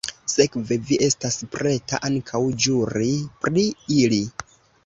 Sekve vi estas preta ankaŭ ĵuri pri ili?